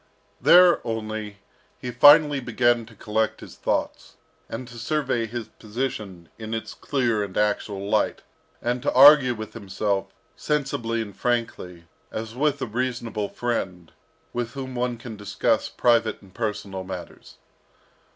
There only, he finally began to collect his thoughts, and to survey his position in its clear and actual light, and to argue with himself, sensibly and frankly, as with a reasonable friend, with whom one can discuss private and personal matters.